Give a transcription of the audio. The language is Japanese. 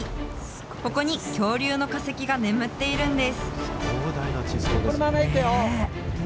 ここに恐竜の化石が眠っているんです。